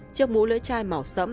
chiếc mũ lưỡi chai màu sẫm